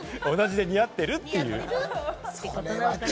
同じで似合っているという。